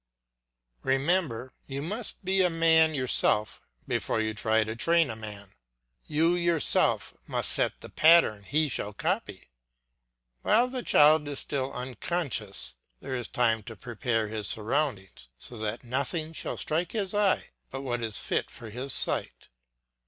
Remember you must be a man yourself before you try to train a man; you yourself must set the pattern he shall copy. While the child is still unconscious there is time to prepare his surroundings, so that nothing shall strike his eye but what is fit for his sight.